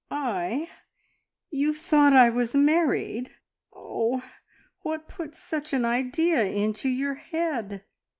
"I? You thought I was married! Oh, what put such an idea into your head?"